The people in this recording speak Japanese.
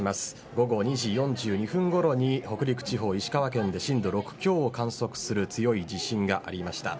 午後２時４２分ごろに北陸地方石川県で震度６強を観測する強い地震がありました。